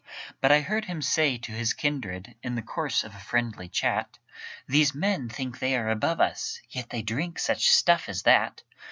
But I heard him say to his kindred, In the course of a friendly chat, "These men think they are above us, Yet they drink such stuff as that!